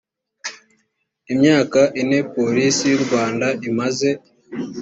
imyaka ine polisi y u rwanda imaze